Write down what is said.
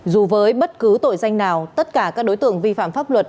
dù với bất cứ tội danh nào tất cả các đối tượng vi phạm pháp luật